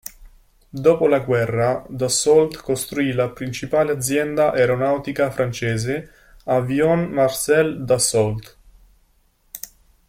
Dopo la guerra, Dassault costruì la principale azienda aeronautica francese "Avions Marcel Dassault".